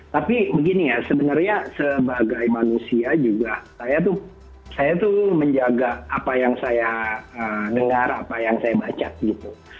tapi begini ya sebenarnya sebagai manusia juga saya tuh saya tuh menjaga apa yang saya dengar apa yang saya baca gitu